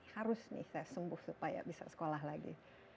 harus nih saya sembuh supaya bisa sekolah lagi